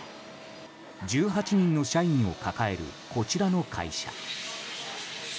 １８人の社員を抱えるこちらの会社。